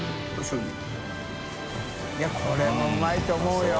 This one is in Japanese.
いこれもうまいと思うよ。